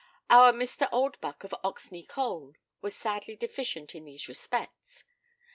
Our Mr. Oldbuck, of Oxney Colne, was sadly deficient in these respects.